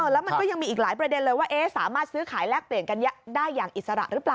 แล้วมันก็ยังมีอีกหลายประเด็นเลยว่าสามารถซื้อขายแลกเปลี่ยนกันได้อย่างอิสระหรือเปล่า